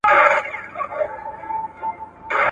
ستا د ښايست پکې محشر دی، زما زړه پر لمبو